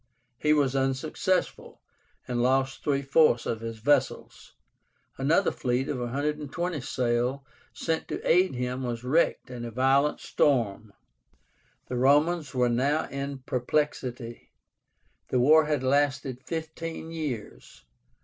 He was unsuccessful, and lost three fourths of his vessels. Another fleet of 120 sail sent to aid him was wrecked in a violent storm. The Romans were now in perplexity. The war had lasted fifteen years.